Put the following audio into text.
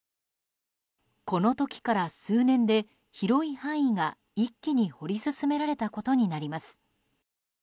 この時から数年で広い範囲が一気に掘り進められたことになります。